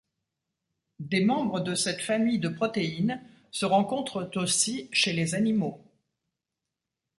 Des membres de cette famille de protéines se rencontrent aussi chez les animaux.